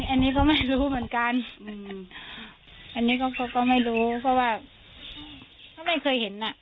อันนี้ก็ไม่รู้เหมือนกันอืมอันนี้ก็เขาก็ไม่รู้เพราะว่าเขาไม่เคยเห็นอ่ะ